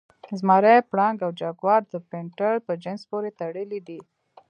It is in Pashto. زمری، پړانګ او جګوار د پینتر په جنس پورې تړلي دي.